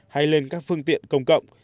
hay lên các phương tiện công cộng